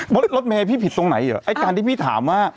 รถเมย์พี่ผิดตรงไหนเหรอไอ้การที่พี่ถามว่า